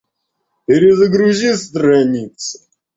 Перезагрузи страницу